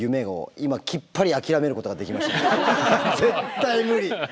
絶対無理！